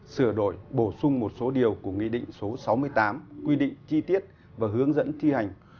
sửa đổi bổ sung một số điều của nghị định số sáu mươi tám quy định chi tiết và hướng dẫn thi hành